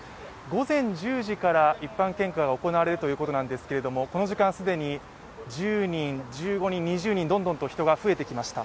午前１０時から一般献花が行われるということなんですがこの時間、既に１０人、１５人、２０人、どんどんと人が増えてきました。